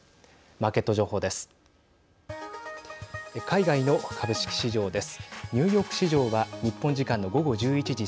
マーケット情報です。